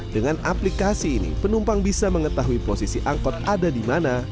dengan aplikasi ini penumpang bisa mengetahui posisi angkot ada di mana